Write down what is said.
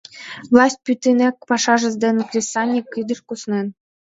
Власть пӱтынек пашазе ден кресаньык кидыш куснен.